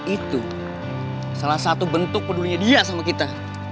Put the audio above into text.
itu salah satu bentuk pedulinya dia sama kita